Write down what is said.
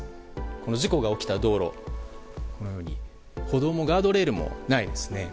事故が起きた道路のように歩道もガードレールもないですね。